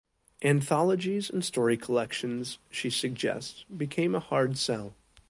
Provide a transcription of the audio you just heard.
Anthologies and story collections, she suggests, became "a hard sell".